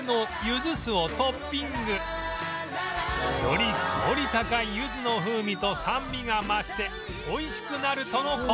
より香り高いゆずの風味と酸味が増して美味しくなるとの事